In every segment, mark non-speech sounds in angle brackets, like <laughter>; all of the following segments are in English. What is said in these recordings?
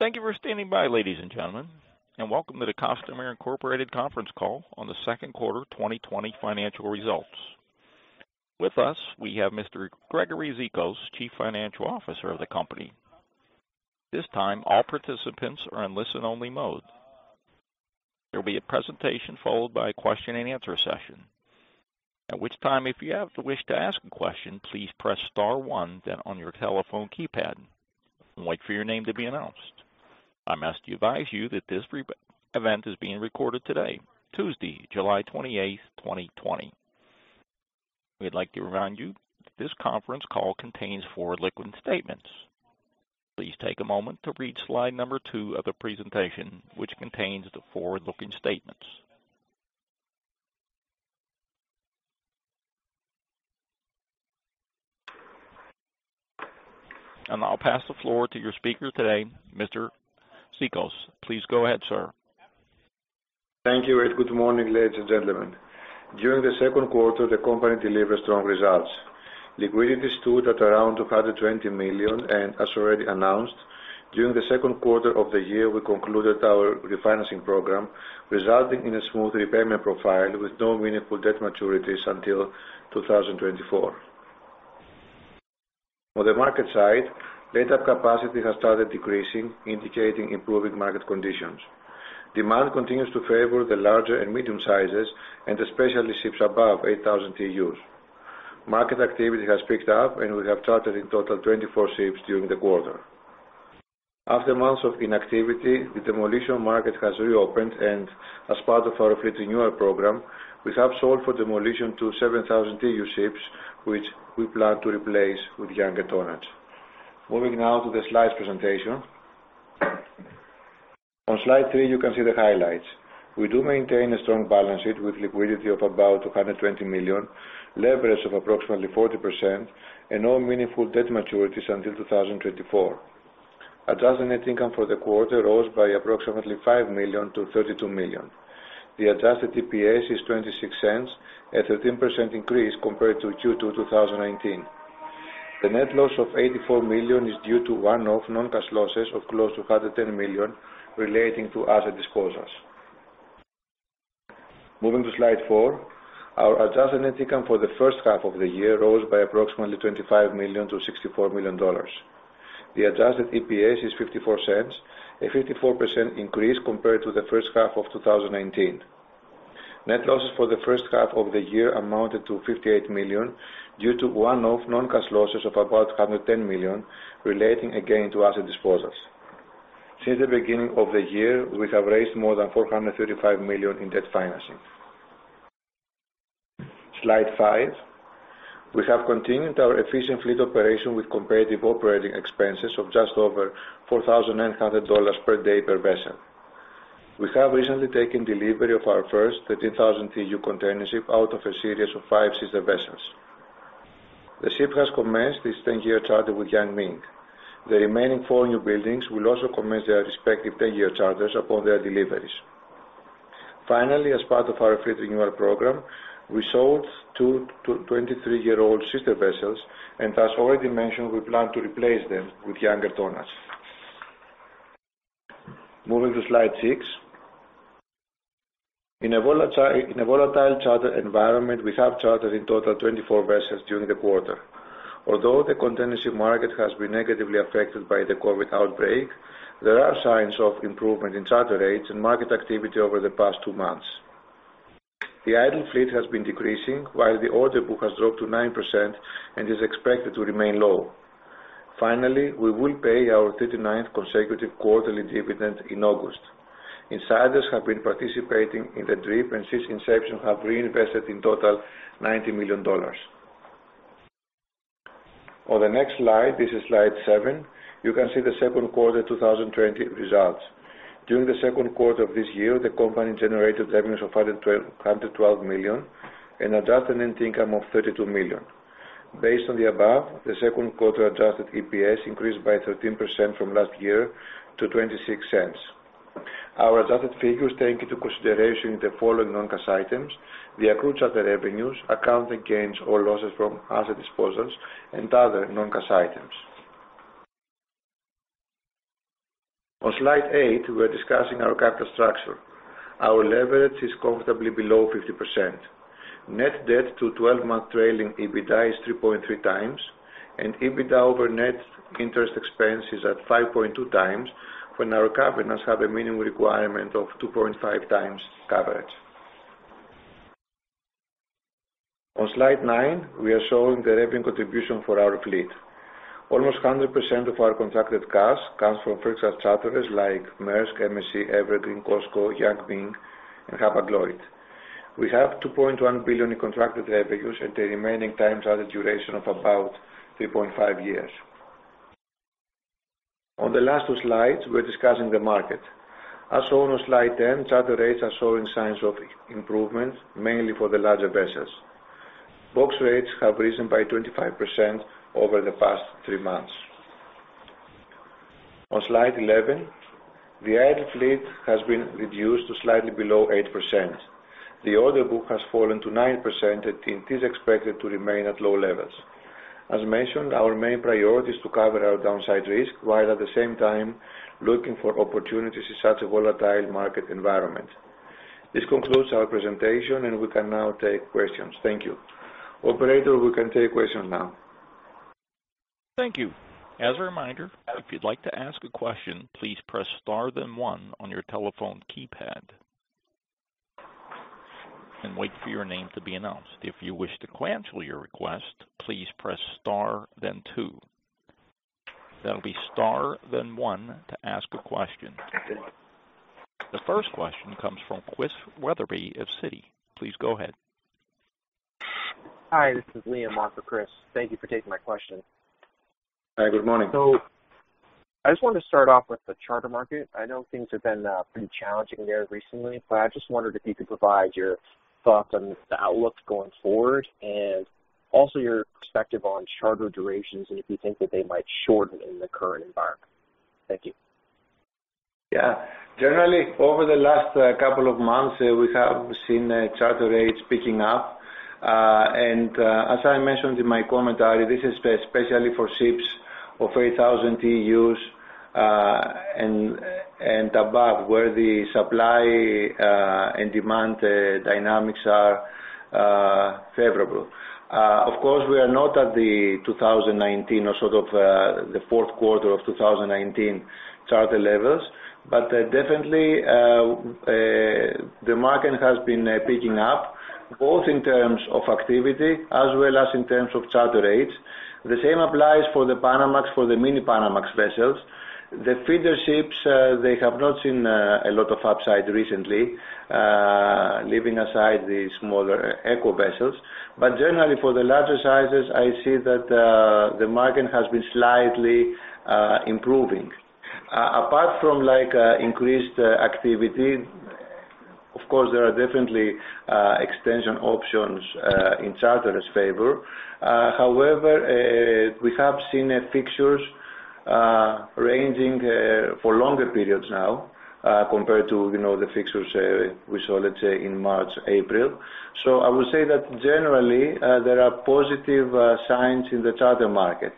Thank you for standing by, ladies and gentlemen, and welcome to the Costamare Inc. conference call on the second quarter 2020 financial results. With us, we have Mr. Gregory Zikos, Chief Financial Officer of the company. This time, all participants are in listen-only mode. There will be a presentation followed by a question-and-answer session. At which time, if you have the wish to ask a question, please press star one then on your telephone keypad and wait for your name to be announced. I must advise you that this event is being recorded today, Tuesday, July 28th, 2020. We'd like to remind you that this conference call contains forward-looking statements. Please take a moment to read slide number two of the presentation, which contains the forward-looking statements. I'll pass the floor to your speaker today, Mr. Zikos. Please go ahead, sir. Thank you, and good morning, ladies and gentlemen. During the second quarter, the company delivered strong results. Liquidity stood at around $220 million, and as already announced, during the second quarter of the year, we concluded our refinancing program, resulting in a smooth repayment profile with no meaningful debt maturities until 2024. On the market side, laid-up capacity has started decreasing, indicating improving market conditions. Demand continues to favor the larger and medium sizes, and especially ships above 8,000 TEUs. Market activity has picked up, and we have chartered in total 24 ships during the quarter. After months of inactivity, the demolition market has reopened, and as part of our fleet renewal program, we have sold for demolition two 7,000 TEU ships, which we plan to replace with younger tonnage. Moving now to the slides presentation. On slide three, you can see the highlights. We do maintain a strong balance sheet with liquidity of about $220 million, leverage of approximately 40%, and no meaningful debt maturities until 2024. adjusted net income for the quarter rose by approximately $5 million to $32 million. The Adjusted EPS is $0.26, a 13% increase compared to Q2 2019. The net loss of $84 million is due to one-off non-cash losses of close to $110 million relating to asset disposals. Moving to slide four. Our adjusted net income for the first half of the year rose by approximately $25 million to $64 million. The Adjusted EPS is $0.54, a 54% increase compared to the first half of 2019. Net losses for the first half of the year amounted to $58 million due to one-off non-cash losses of about $110 million relating again to asset disposals. Since the beginning of the year, we have raised more than $435 million in debt financing. Slide five. We have continued our efficient fleet operation with competitive operating expenses of just over $4,900 per day per vessel. We have recently taken delivery of our first 13,000 TEU container ship out of a series of five sister vessels. The ship has commenced its 10-year charter with Yang Ming. The remaining four new buildings will also commence their respective 10-year charters upon their deliveries. Finally, as part of our fleet renewal program, we sold two 23-year-old sister vessels, and as already mentioned, we plan to replace them with younger tonnage. Moving to slide six. In a volatile charter environment, we have chartered in total 24 vessels during the quarter. Although the container ship market has been negatively affected by the COVID outbreak, there are signs of improvement in charter rates and market activity over the past two months. The idle fleet has been decreasing while the order book has dropped to 9% and is expected to remain low. Finally, we will pay our 39th consecutive quarterly dividend in August. Insiders have been participating in the DRIP and since inception have reinvested in total $90 million. On the next slide, this is slide seven, you can see the second quarter 2020 results. During the second quarter of this year, the company generated revenues of $112 million and adjusted net income of $32 million. Based on the above, the second quarter adjusted EPS increased by 13% from last year to $0.26. Our adjusted figures take into consideration the following non-cash items: the accrued charter revenues, accounting gains or losses from asset disposals, and other non-cash items. On slide eight, we are discussing our capital structure. Our leverage is comfortably below 50%. Net debt to 12-month trailing EBITDA is 3.3x, and EBITDA over net interest expense is at 5.2x when our covenants have a minimum requirement of 2.5x coverage. On slide nine, we are showing the revenue contribution for our fleet. Almost 100% of our contracted cars comes from first-class charterers like Maersk, MSC, Evergreen, COSCO, Yang Ming and Hapag-Lloyd. We have $2.1 billion in contracted revenues and a remaining time charter duration of about 3.5 years. On the last two slides, we are discussing the market. As shown on slide 10, charter rates are showing signs of improvement, mainly for the larger vessels. Box rates have risen by 25% over the past three months. On slide 11. The idle fleet has been reduced to slightly below 8%. The order book has fallen to 9%, and it is expected to remain at low levels. As mentioned, our main priority is to cover our downside risk, while at the same time looking for opportunities in such a volatile market environment. This concludes our presentation, and we can now take questions. Thank you. Operator, we can take questions now. Thank you. As a reminder, if you'd like to ask a question, please press star then one on your telephone keypad. Wait for your name to be announced. If you wish to cancel your request, please press star then two. That'll be star then one to ask a question. The first question comes from Chris Wetherbee of Citi. Please go ahead. Hi, this is Liam, I'm with Chris. Thank you for taking my question. Hi, good morning. I just wanted to start off with the charter market. I know things have been pretty challenging there recently, but I just wondered if you could provide your thoughts on the outlook going forward and also your perspective on charter durations, and if you think that they might shorten in the current environment. Thank you. Yeah. As I mentioned in my commentary, this is especially for ships of 8,000 TEUs and above, where the supply and demand dynamics are favorable. Of course, we are not at the 2019 or sort of the fourth quarter of 2019 charter levels. Definitely, the market has been picking up, both in terms of activity as well as in terms of charter rates. The same applies for the Panamax, for the mini Panamax vessels. The feeder ships, they have not seen a lot of upside recently, leaving aside the smaller eco vessels. Generally, for the larger sizes, I see that the market has been slightly improving. Apart from increased activity, of course, there are definitely extension options in charterers' favor. However, we have seen fixtures ranging for longer periods now compared to the fixtures we saw, let's say, in March, April. I would say that generally, there are positive signs in the charter market.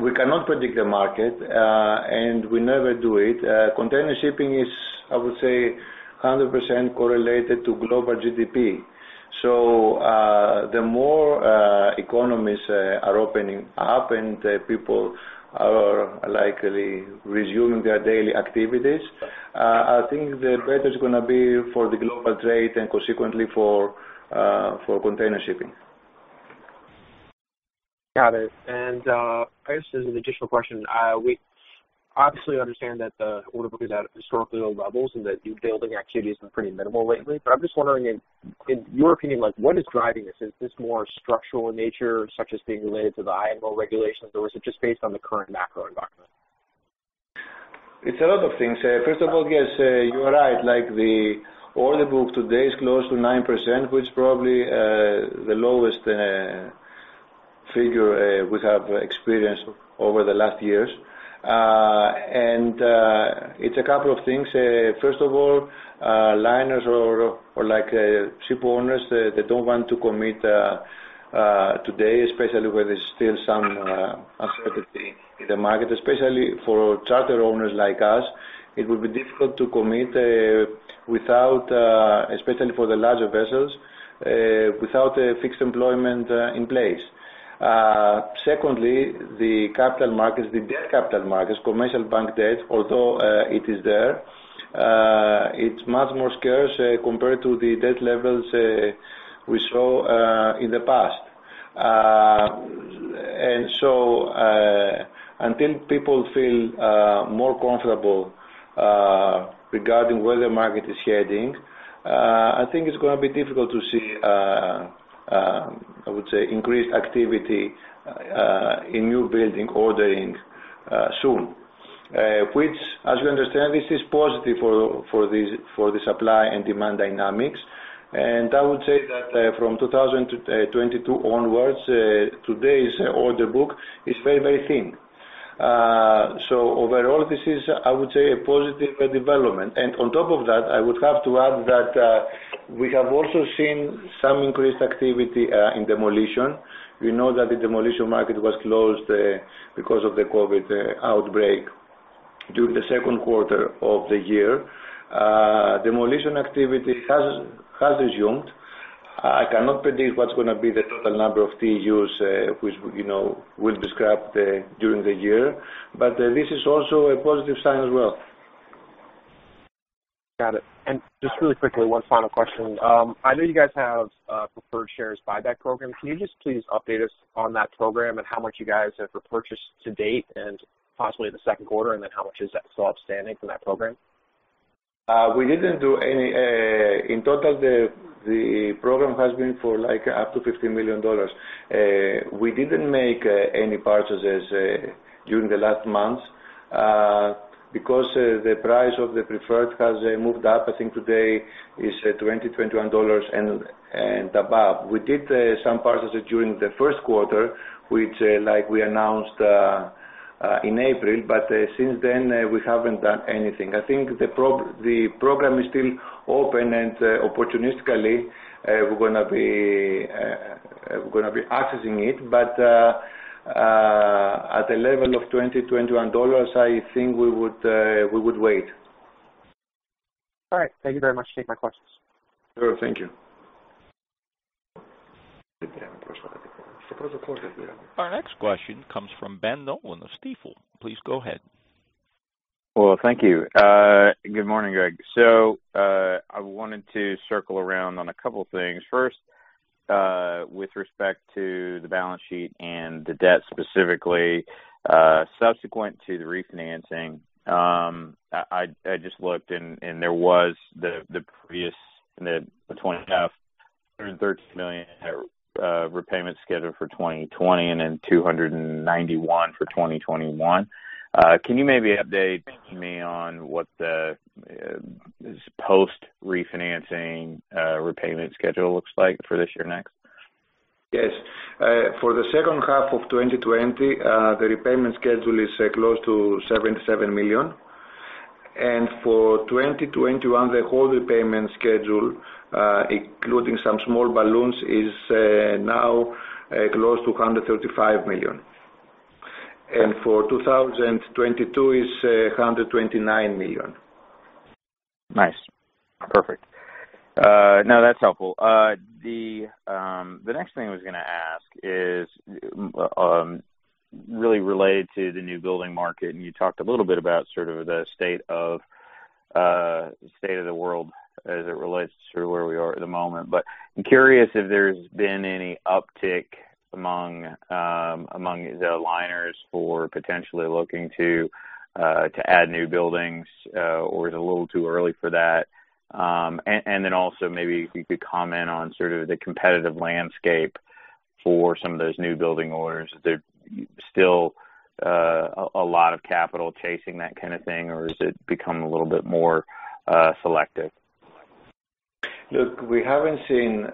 We cannot predict the market, and we never do it. Container shipping is, I would say, 100% correlated to global GDP. The more economies are opening up and people are likely resuming their daily activities, I think the better it's going to be for the global trade and consequently for container shipping. Got it. I guess as an additional question, we obviously understand that the order book is at historically low levels and that new building activity has been pretty minimal lately. I'm just wondering in your opinion, what is driving this? Is this more structural in nature, such as being related to the IMO regulations, or is it just based on the current macro environment? It's a lot of things. First of all, yes, you are right. The order book today is close to 9%, which is probably the lowest figure we have experienced over the last years. It's a couple of things. First of all, liners or ship owners, they don't want to commit today, especially where there's still some uncertainty in the market. Especially for charter owners like us, it would be difficult to commit, especially for the larger vessels, without a fixed employment in place. Secondly, the capital markets, the debt capital markets, commercial bank debt, although it is there, it's much more scarce compared to the debt levels we saw in the past. Until people feel more comfortable regarding where the market is heading, I think it's going to be difficult to see, I would say, increased activity in new building ordering soon. Which, as you understand, this is positive for the supply and demand dynamics. I would say that from 2022 onwards, today's order book is very, very thin. Overall, this is, I would say, a positive development. On top of that, I would have to add that we have also seen some increased activity in demolition. We know that the demolition market was closed because of the COVID outbreak during the second quarter of the year. Demolition activity has resumed. I cannot predict what's going to be the total number of TEUs, which will be scrapped during the year. This is also a positive sign as well. Got it. Just really quickly, one final question. I know you guys have Preferred Shares Buyback Program. Can you just please update us on that program and how much you guys have repurchased to date and possibly in the second quarter, and then how much is that still outstanding from that program? In total, the program has been for up to $50 million. We didn't make any purchases during the last months because the price of the preferred has moved up. I think today is $20, $21 and above. We did some purchases during the first quarter, which we announced in April, but since then, we haven't done anything. I think the program is still open and, opportunistically, we're going to be accessing it. At a level of $20, $21, I think we would wait. All right. Thank you very much. Take my questions. Sure. Thank you. Our next question comes from Ben Nolan of Stifel. Please go ahead. Well, thank you. Good morning, Greg. I wanted to circle around on a couple things. First, with respect to the balance sheet and the debt specifically, subsequent to the refinancing, I just looked, and there was the previous mid, <audio distortion> $113 million repayment schedule for 2020, and then $291 for 2021. Can you maybe update me on what the post-refinancing repayment schedule looks like for this year next? Yes. For the second half of 2020, the repayment schedule is close to $77 million. For 2021, the whole repayment schedule, including some small balloons, is now close to $135 million. For 2022, it's $129 million. Nice. Perfect. No, that's helpful. The next thing I was going to ask is really related to the new building market, and you talked a little bit about the state of the world as it relates to where we are at the moment. I'm curious if there's been any uptick among the liners for potentially looking to add new buildings, or is it a little too early for that? Also maybe if you could comment on the competitive landscape for some of those new building orders. Is there still a lot of capital chasing that kind of thing, or has it become a little bit more selective? Look, we haven't seen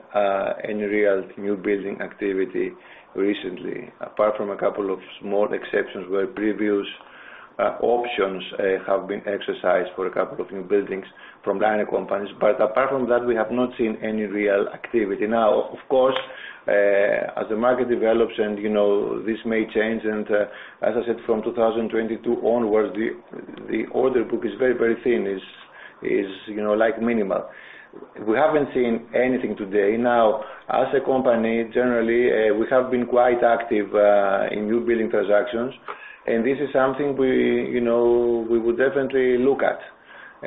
any real new building activity recently, apart from a couple of small exceptions where previous options have been exercised for a couple of new buildings from liner companies. Apart from that, we have not seen any real activity. Now, of course, as the market develops and this may change, and as I said, from 2022 onwards, the order book is very, very thin, is minimal. We haven't seen anything today. Now, as a company, generally, we have been quite active in new building transactions, and this is something we would definitely look at.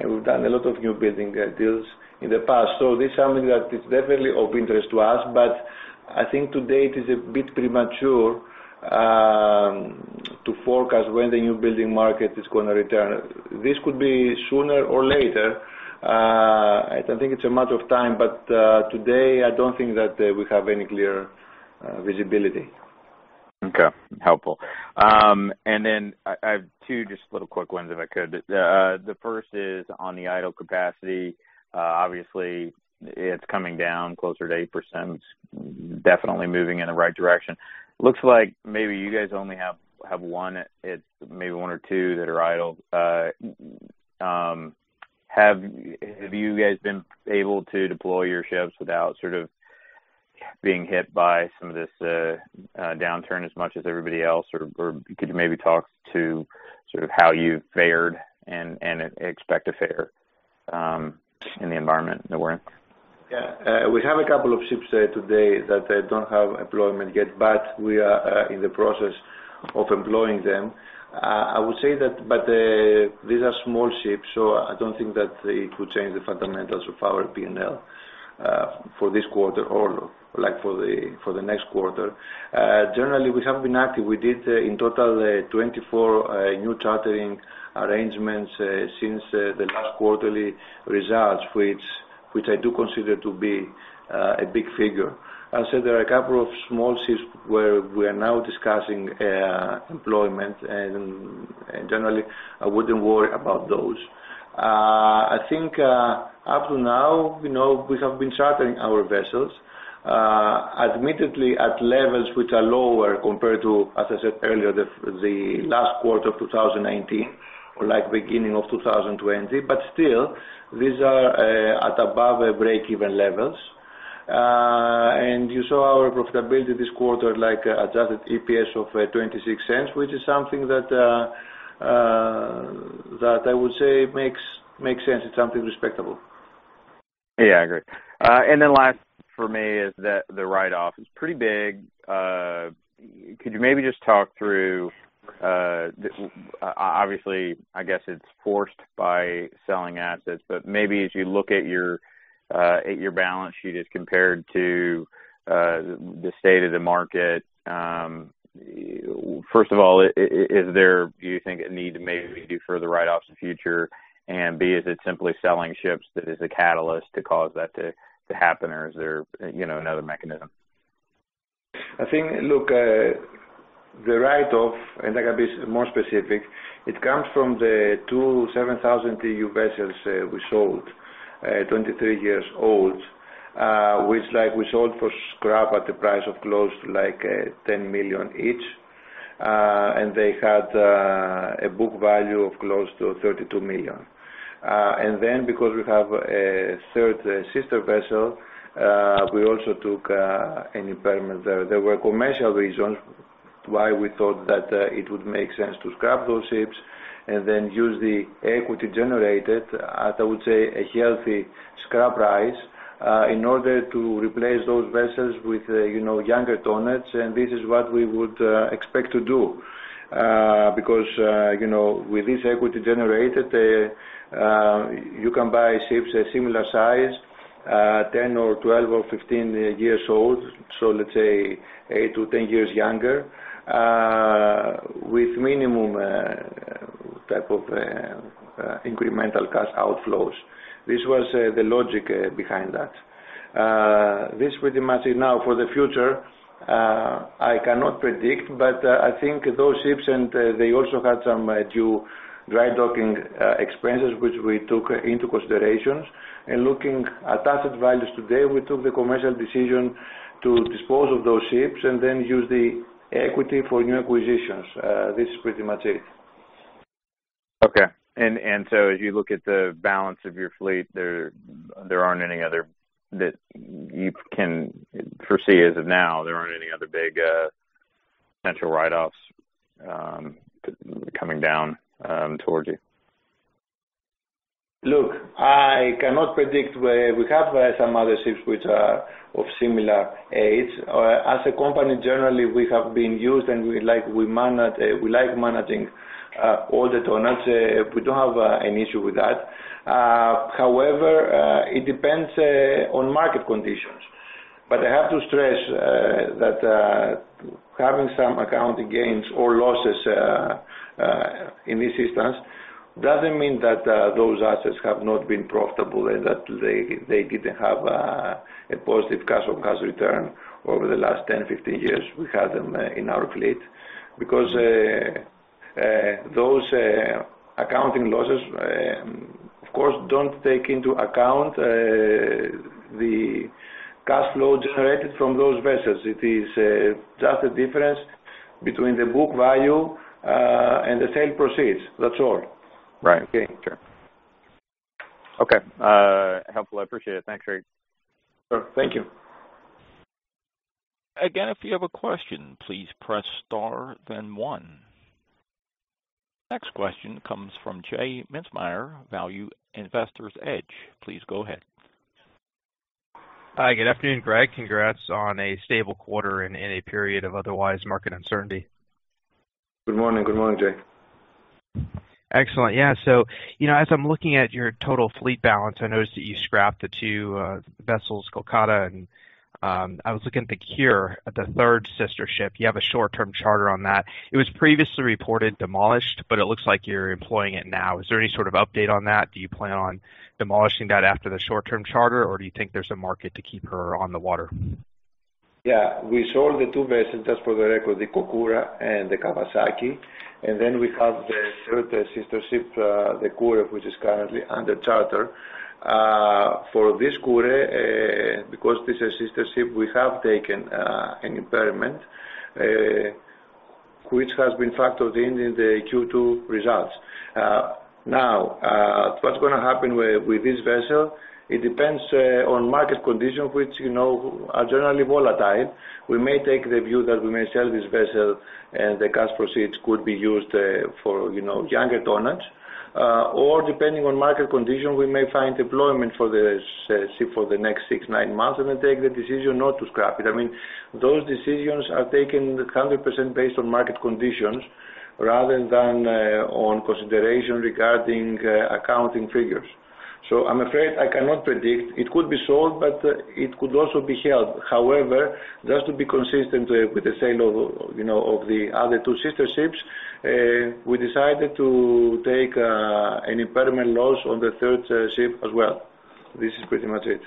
We've done a lot of new building deals in the past, so this is something that is definitely of interest to us, but I think today it is a bit premature to forecast when the new building market is going to return. This could be sooner or later. I think it's a matter of time, but today, I don't think that we have any clear visibility. Okay. Helpful. I have two just little quick ones if I could. The first is on the idle capacity. Obviously, it's coming down closer to 8%, definitely moving in the right direction. Looks like maybe you guys only have one, maybe one or two that are idle. Have you guys been able to deploy your ships without being hit by some of this downturn as much as everybody else, or could you maybe talk to how you fared and expect to fare in the environment that we're in? Yeah. We have a couple of ships there today that don't have employment yet, but we are in the process of employing them. I would say that these are small ships, so I don't think that it could change the fundamentals of our P&L for this quarter or for the next quarter. Generally, we have been active. We did, in total, 24 new chartering arrangements since the last quarterly results, which I do consider to be a big figure. As I said, there are a couple of small ships where we are now discussing employment, and generally, I wouldn't worry about those. I think up to now, we have been chartering our vessels, admittedly at levels which are lower compared to, as I said earlier, the last quarter of 2019 or beginning of 2020. Still, these are at above our breakeven levels. You saw our profitability this quarter, like adjusted EPS of $0.26, which is something that I would say makes sense. It's something respectable. Yeah, I agree. Last for me is the write-off. It's pretty big. Could you maybe just talk through, obviously, I guess it's forced by selling assets, but maybe as you look at your balance sheet as compared to the state of the market. First of all, do you think a need to maybe do further write-offs in future? B, is it simply selling ships that is a catalyst to cause that to happen, or is there another mechanism? I think, look, the write-off, and I can be more specific, it comes from the two 7,000 TEU vessels we sold, 23 years old, which we sold for scrap at a price of close to $10 million each. They had a book value of close to $32 million. Because we have a third sister vessel, we also took an impairment there. There were commercial reasons why we thought that it would make sense to scrap those ships and then use the equity generated at, I would say, a healthy scrap price in order to replace those vessels with younger tonnage. This is what we would expect to do because with this equity generated, you can buy ships a similar size, 10 or 12 or 15 years old. Let's say 8-10 years younger, with minimum type of incremental cash outflows. This was the logic behind that. This pretty much is now for the future, I cannot predict, but I think those ships, and they also had some due dry docking expenses, which we took into considerations. Looking at asset values today, we took the commercial decision to dispose of those ships and then use the equity for new acquisitions. This is pretty much it. Okay. As you look at the balance of your fleet, there aren't any other that you can foresee as of now, there aren't any other big potential write-offs coming down towards you? I cannot predict where we have some other ships which are of similar age. As a company, generally, we have been used and we like managing older tonnage. We don't have an issue with that. However, it depends on market conditions. I have to stress that having some accounting gains or losses, in this instance, doesn't mean that those assets have not been profitable and that they didn't have a positive cash on cash return over the last 10, 15 years we had them in our fleet because those accounting losses, of course, don't take into account the cash flow generated from those vessels. It is just the difference between the book value and the sale proceeds. That's all. Right. Okay? Sure. Okay. Helpful, I appreciate it. Thanks, Gregory. Sure. Thank you. Again, if you have a question, please press star then one. Next question comes from J. Mintzmyer, Value Investor's Edge. Please go ahead. Hi. Good afternoon, Greg. Congrats on a stable quarter in a period of otherwise market uncertainty. Good morning. Good morning, J. Excellent. Yeah. As I'm looking at your total fleet balance, I noticed that you scrapped the two vessels, Kokura and I was looking at the Kure, the third sister ship. You have a short-term charter on that. It was previously reported demolished, it looks like you're employing it now. Is there any sort of update on that? Do you plan on demolishing that after the short-term charter, do you think there's a market to keep her on the water? Yeah. We sold the two vessels, just for the record, the Kokura and the Kawasaki. We have the third sister ship, the Kure, which is currently under charter. For this Kure, because this is a sister ship, we have taken an impairment, which has been factored in in the Q2 results. Now, what's going to happen with this vessel, it depends on market condition, which are generally volatile. We may take the view that we may sell this vessel and the cash proceeds could be used for younger tonnage. Depending on market condition, we may find deployment for the ship for the next six, nine months and then take the decision not to scrap it. Those decisions are taken 100% based on market conditions rather than on consideration regarding accounting figures. I'm afraid I cannot predict. It could be sold, but it could also be held. Just to be consistent with the sale of the other two sister ships, we decided to take an impairment loss on the third ship as well. This is pretty much it.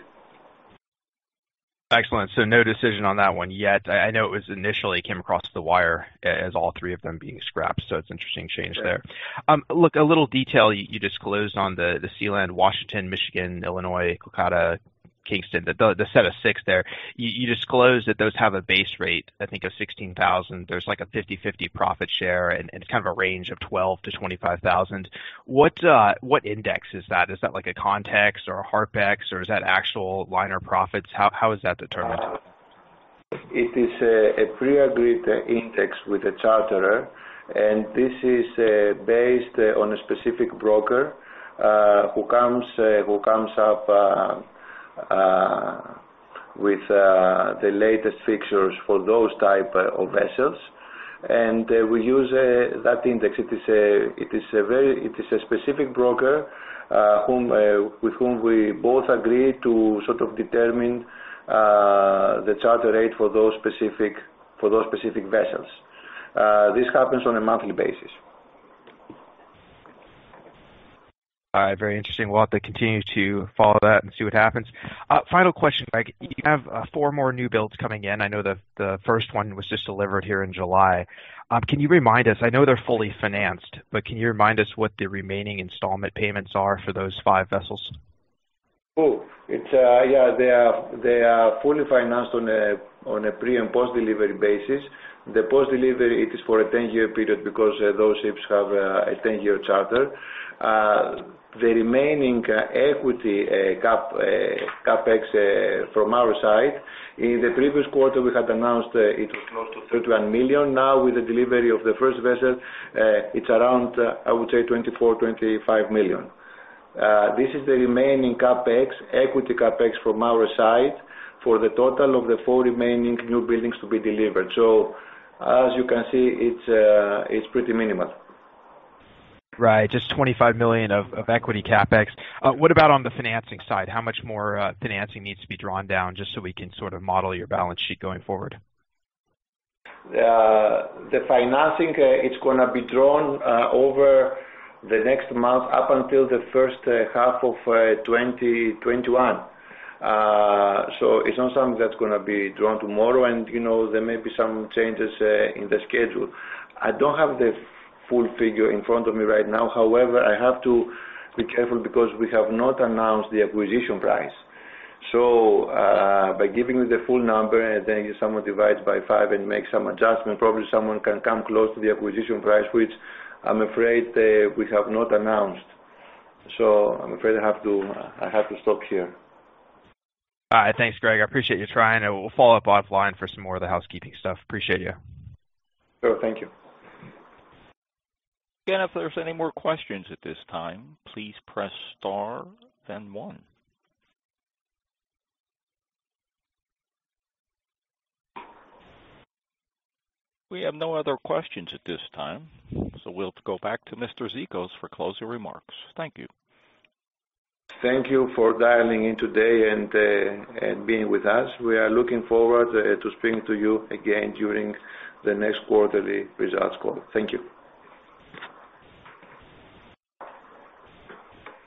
Excellent. No decision on that one yet. I know it initially came across the wire as all three of them being scrapped. It's interesting change there. Sure. Look, a little detail you disclosed on the Sealand Washington, Michigan, Illinois, Kokura, Kingston, the set of six there. You disclosed that those have a base rate, I think of $16,000. There's like a 50/50 profit share and it's kind of a range of $12,000-$25,000. What index is that? Is that like a ConTex or a HARPEX or is that actual liner profits? How is that determined? It is a pre-agreed index with a charterer, and this is based on a specific broker who comes up with the latest fixtures for those type of vessels. We use that index. It is a specific broker with whom we both agree to sort of determine the charter rate for those specific vessels. This happens on a monthly basis. All right. Very interesting. We'll have to continue to follow that and see what happens. Final question, Greg. You have four more new builds coming in. I know the first one was just delivered here in July. Can you remind us, I know they're fully financed, but can you remind us what the remaining installment payments are for those five vessels? They are fully financed on a pre- and post-delivery basis. The post-delivery, it is for a 10-year period because those ships have a 10-year charter. The remaining equity CapEx from our side, in the previous quarter, we had announced it was close to $31 million. Now with the delivery of the first vessel, it's around, I would say, $24 million, $25 million. This is the remaining equity CapEx from our side for the total of the four remaining new buildings to be delivered. As you can see, it's pretty minimal. Right. Just $25 million of equity CapEx. What about on the financing side? How much more financing needs to be drawn down, just so we can sort of model your balance sheet going forward? The financing, it's going to be drawn over the next month up until the first half of 2021. It's not something that's going to be drawn tomorrow, and there may be some changes in the schedule. I don't have the full figure in front of me right now. However, I have to be careful because we have not announced the acquisition price. By giving you the full number, and then if someone divides by five and makes some adjustment, probably someone can come close to the acquisition price, which I'm afraid we have not announced. I'm afraid I have to stop here. All right. Thanks, Greg. I appreciate you trying. We'll follow up offline for some more of the housekeeping stuff. Appreciate you. Sure. Thank you. Again, if there's any more questions at this time, please press star then one. We have no other questions at this time, so we'll go back to Mr. Zikos for closing remarks. Thank you. Thank you for dialing in today and being with us. We are looking forward to speaking to you again during the next quarterly results call. Thank you.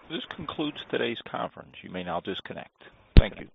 This concludes today's conference. You may now disconnect. Thank you.